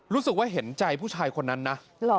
รู้สึกว่าเห็นใจผู้ชายคนนั้นนะ